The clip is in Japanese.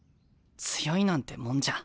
強いなんてもんじゃ。